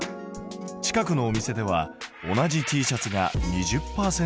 近くのお店では同じＴシャツが２０％オフ。